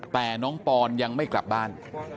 แต่น้องปอนยังไม่กลับบ้าน